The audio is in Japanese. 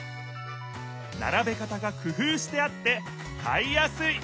ならべ方がくふうしてあって買いやすい！